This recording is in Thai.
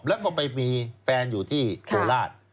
แล้วก็ไปมีแฟนอยู่ที่โคราช